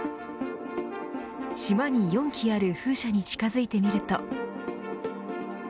島に４基ある風車に近づいてみると。